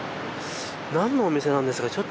何のお店なんでしょうか。